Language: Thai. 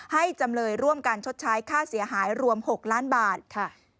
จำเลยร่วมกันชดใช้ค่าเสียหายรวม๖ล้านบาทค่ะ